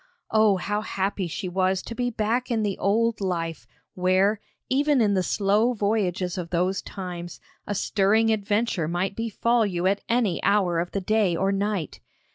Oh, how happy she was to be back in the old life, where, even in the slow voyages of those times, a stirring adventure might befall you at any hour of the day or night!